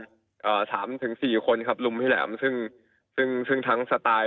อ่าสามถึงสี่คนครับลุมพี่แหลมซึ่งซึ่งซึ่งทั้งสไตล์